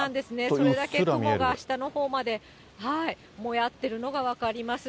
それだけ雲が下のほうまでもやってるのが分かります。